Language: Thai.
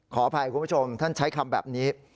ขออภัยคุณผู้ชมท่านใช้คำแบบนี้